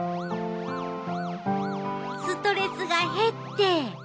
ストレスが減って。